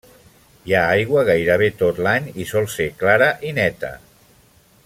Hi ha aigua gairebé tot l'any i sol ser clara i neta.